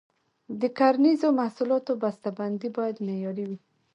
د کرنیزو محصولاتو بسته بندي باید معیاري وي.